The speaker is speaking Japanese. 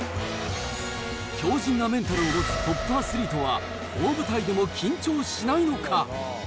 強じんなメンタルを持つトップアスリートは、大舞台でも緊張しないのか。